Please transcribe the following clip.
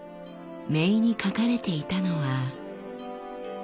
銘に書かれていたのは。